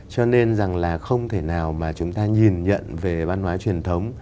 cho nên rằng là không thể nào mà chúng ta nhìn nhận về văn hóa truyền thống